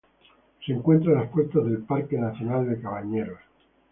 Se encuentra a las puertas del Parque nacional de Cabañeros.